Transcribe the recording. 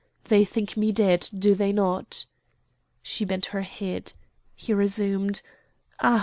"They think me dead, do they not?" She bent her head. He resumed: "Ah!